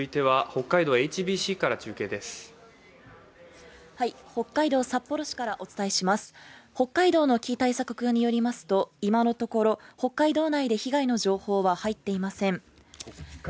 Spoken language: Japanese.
北海道の危機対策課によりますと今のところ北海道内で被害の情報は入ってきていません。